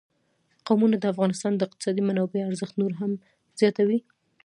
قومونه د افغانستان د اقتصادي منابعو ارزښت نور هم زیاتوي.